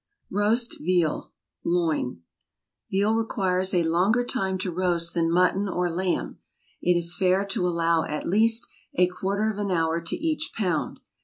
ROAST VEAL. LOIN. Veal requires a longer time to roast than mutton or lamb. It is fair to allow at least a quarter of an hour to each pound.